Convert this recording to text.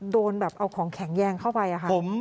โดนแบบเอาของแข็งแยงเข้าไปอะค่ะ